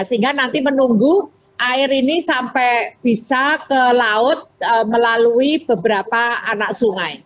sehingga nanti menunggu air ini sampai bisa ke laut melalui beberapa anak sungai